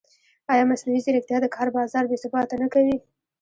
ایا مصنوعي ځیرکتیا د کار بازار بېثباته نه کوي؟